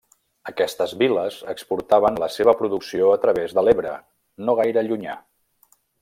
Aquestes vil·les exportaven la seva producció a través de l'Ebre, no gaire llunyà.